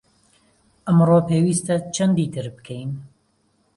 ئەمڕۆ پێویستە چەندی تر بکەین؟